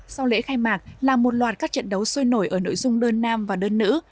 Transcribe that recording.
sau lễ khai mạc là một loạt các trận đấu sôi nổi ở nội dung đơn nam và đơn nữ